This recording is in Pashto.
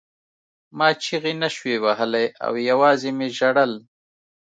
ما چیغې نشوې وهلی او یوازې مې ژړل